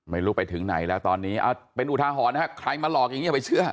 ไม่รู้ไปถึงไหนแล้วตอนนี้เอาเป็นอุทาหรณ์นะครับใครมาหลอกอย่างนี้อย่าไปเชื่อ